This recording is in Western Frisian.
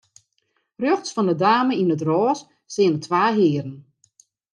Rjochts fan 'e dame yn it rôs steane twa hearen.